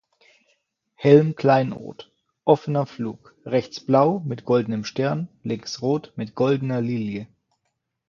Helmkleinod: Offener Flug, rechts blau mit goldenem Stern, links rot mit goldener Lilie.